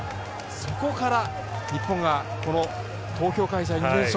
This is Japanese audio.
そこから日本がこの東京開催で２連勝。